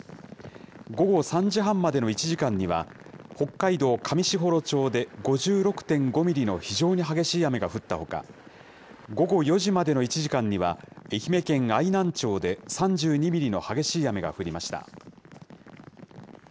午後３時半までの１時間には、北海道上士幌町で５６．５ミリの激しい雨が降ったほか、午後４時までの１時間には、愛媛県愛南町で３２ミリの激しい雨が降りました。